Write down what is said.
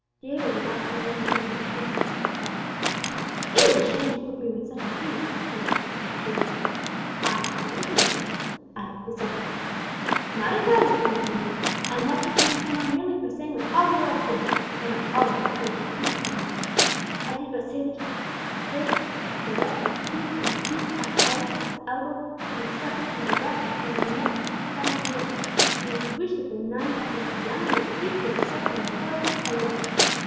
Diego did not long leave him in ignorance of the cause. "It is a shame to put me with such as these," said the talkative chulo; "I am a political offender," he added, with something like pride. "Not a Carlist, mind you, señor; I am locked up in this kennel merely for saying what all the world thinks, though not all have the courage to speak out their minds. I did but say that it is a disgrace that such a wretch as he whom the Queen has always at her elbow should be suffered to ride rough shod over the necks of the Spanish nation, and that I wished that the nun Patrocinio would keep to her cell and leave politics alone.